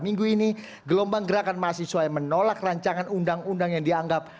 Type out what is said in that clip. minggu ini gelombang gerakan mahasiswa yang menolak rancangan undang undang yang dianggap